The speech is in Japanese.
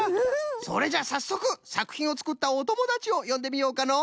それじゃあさっそくさくひんをつくったおともだちをよんでみようかの！